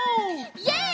イエイ！